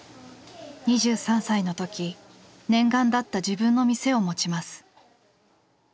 ２３歳の時念願だった自分の店を持ちます。